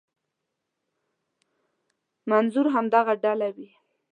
منظور همدغه ډله وي.